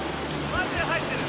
マジで入ってる。